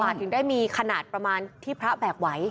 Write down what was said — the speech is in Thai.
ถึงได้มีขนาดประมาณที่พระแบกไหว